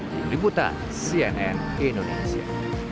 diri buta cnn indonesia